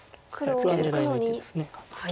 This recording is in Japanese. これは狙いの一手です。